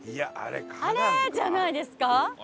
あれじゃないですか？